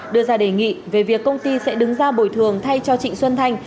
đưa ra đề nghị về việc công ty sẽ đứng ra bồi thường thay cho trịnh xuân thanh